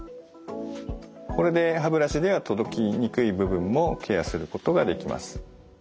これで歯ブラシでは届きにくい部分もケアすることができます。